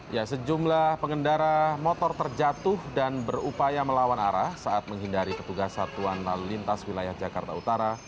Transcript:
ya sejumlah pengendara motor terjatuh dan berupaya melawan arah saat menghindari petugas satuan lalu lintas wilayah jakarta utara